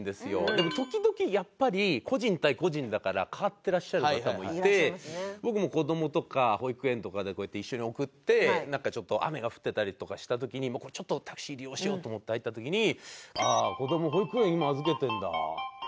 でも時々やっぱり個人対個人だから変わってらっしゃる方もいて僕も子供とか保育園とかでこうやって一緒に送ってなんかちょっと雨が降ってたりとかした時にちょっとタクシー利用しようって思って入った時に。